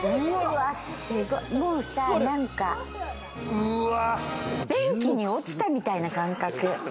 もうさ、なんか、便器に落ちたみたいな感覚。